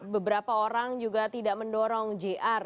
beberapa orang juga tidak mendorong jr